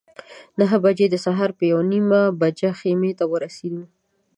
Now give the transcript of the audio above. نهه بجې د سهار په یوه نیمه بجه خیمې ته ورسېدو.